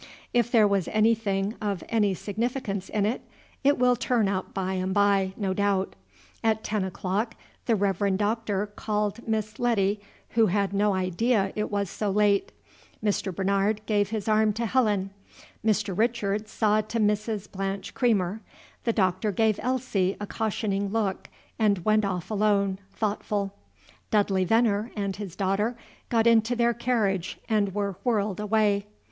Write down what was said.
If there was anything of any significance in it, it will turn up by and by, no doubt. At ten o'clock the Reverend Doctor called Miss Letty, who had no idea it was so late; Mr. Bernard gave his arm to Helen; Mr. Richard saw to Mrs. Blanche Creamer; the Doctor gave Elsie a cautioning look, and went off alone, thoughtful; Dudley Venner and his daughter got into their carriage and were whirled away.